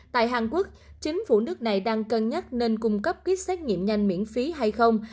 tại hàn quốc chính phủ nước này đang cân nhắc nên cung cấp kit xét nghiệm nhanh miễn phí hay không